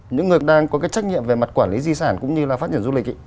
những người đang có cái trách nhiệm về mặt quản lý di sản cũng như là phát triển du lịch ấy